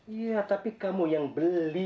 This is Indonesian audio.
iya tapi kamu yang beli